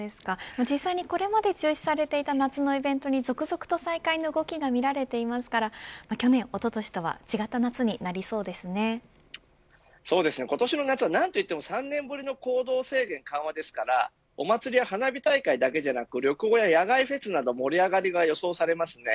これまで中止されていた夏のイベントに再開の動きが続々とみられていますから去年、おととしとは今年の夏は何といっても３年ぶりの行動制限緩和ですからお祭りや花火大会だけではなく旅行や野外フェスなどの盛り上がりが予想されます。